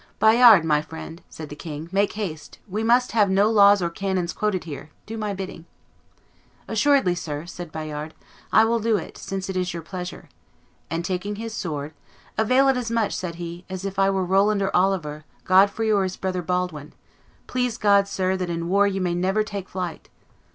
'Bayard, my friend,' said the king, 'make haste; we must have no laws or canons quoted here; do my bidding.' 'Assuredly, sir,' said Bayard, 'I will do it, since it is your pleasure;' and, taking his sword, 'Avail it as much,' said he, 'as if I were Roland or Oliver, Godfrey or his brother Baldwin; please God, sir, that in war you may never take flight!